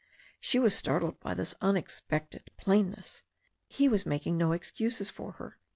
She was startled by this unexpected plainness. He was making no excuses for her.